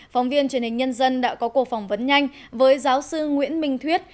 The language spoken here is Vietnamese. phóng viên truyền hình nhân dân đã có cuộc phỏng vấn nhanh với giáo sư nguyễn minh thuyết